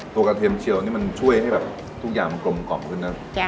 โผล่กระเทมเชียลนี่มันช่วยให้แบบทุกอย่างบางอย่างกรมกล่อมขึ้น